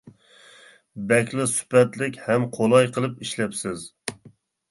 بەكلا سۈپەتلىك ھەم قولاي قىلىپ ئىشلەپسىز.